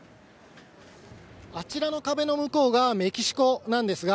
あちらの壁の向こうがメキシコなんですが、